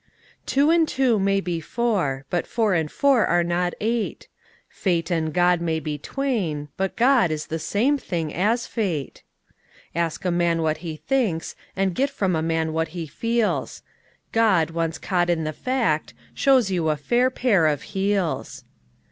Two and two may be four: but four and four are not eight: Fate and God may be twain: but God is the same thing as fate. Ask a man what he thinks, and get from a man what he feels: God, once caught in the fact, shows you a fair pair of heels.